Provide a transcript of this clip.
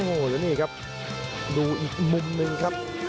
โอ้โหแล้วนี่ครับดูอีกมุมหนึ่งครับ